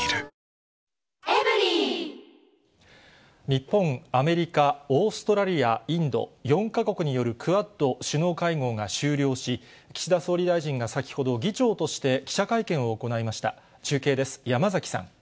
日本、アメリカ、オーストラリア、インド４か国によるクアッド首脳会合が終了し、岸田総理大臣が先ほど、議長として記者会見を行いました。